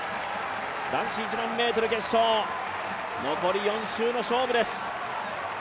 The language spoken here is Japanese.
男子１００００ｍ決勝、残り４周の勝負です。